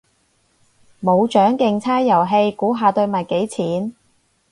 冇獎競猜遊戲，估下對襪幾錢？